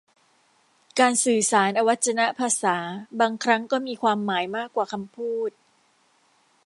การสื่อสารอวัจนภาษาบางครั้งก็มีความหมายมากกว่าคำพูด